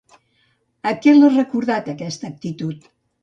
A què l'ha recordat, aquesta actitud?